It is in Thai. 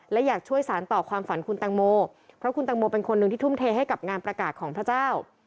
และอยากช่วยสารต่อความฝันคุณตังโมเพราะคุณตังโมเป็นคนหนึ่งที่ทุ่มเทให้กับงานประกาศของพระเจ้า